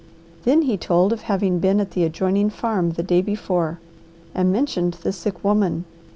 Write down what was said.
Then he told of having been at the adjoining farm the day before and mentioned the sick woman.